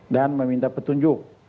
dan meminta petunjuk